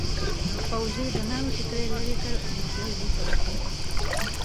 پوځي د ناوې ټکري لیرې کړ او نجلۍ لوڅه ودرېده.